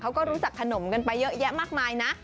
เขาก็รู้จักขนมกันไปเยอะแยะมากมายนะ